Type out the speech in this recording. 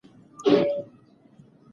آیا آس په کوهي کې مړ شو؟